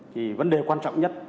thì vấn đề quan trọng nhất